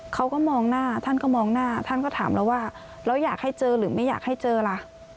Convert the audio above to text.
เขาก็มองหน้าท่านก็มองหน้าท่านก็ถามเราว่าแล้วอยากให้เจอหรือไม่อยากให้เจอล่ะ